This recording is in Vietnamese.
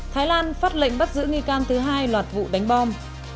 thái lan phát lệnh bắt giữ nghi can thứ hai loạt vụ đánh bom